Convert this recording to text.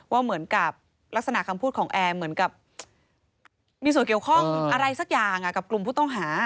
ว่าเหมือนกับลักษณะคำพูดของแอร์เหมือนกับมีส่วนเกี่ยวข้องอะไรสักอย่างกับกลุ่มผู้ต้องหา